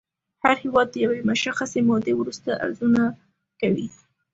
هر هېواد د یوې مشخصې مودې وروسته ارزونه کوي